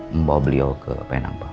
membawa beliau ke penang pak